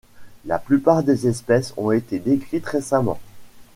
La plupart des espèces ont été décrites récemment.